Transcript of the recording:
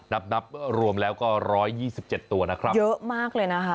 นับนับรวมแล้วก็ร้อยยี่สิบเจ็ดตัวนะครับเยอะมากเลยนะคะ